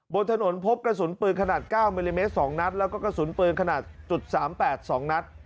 บนถนนพบกระสุนปืนขนาด๙มิลลิเมตร๒นัดแล้วก็กระสุนปืนขนาด๓๘๒นัด